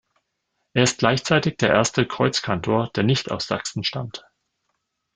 Er ist gleichzeitig der erste Kreuzkantor, der nicht aus Sachsen stammt.